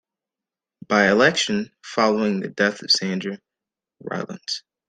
By-election following the death of Sandra Rylance.